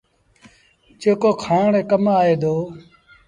جيڪو کآڻ ري ڪم آئي دو۔